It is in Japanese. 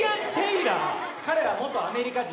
彼は元アメリカ人です。